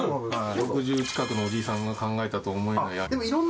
６０近くのおじいさんが考えたと思えば。